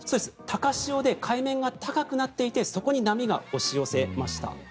高潮で海面が高くなっていてそこに波が押し寄せました。